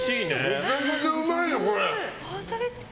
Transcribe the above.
めちゃくちゃうまいよ、これ。